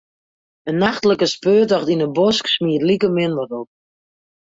In nachtlike speurtocht yn 'e bosk smiet likemin wat op.